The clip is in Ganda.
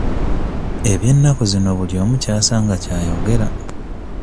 Eby'ennaku zino buli omu ky'asanga ky'ayogera.